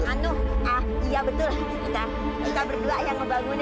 anu iya betul kita kita berdua yang membangun ini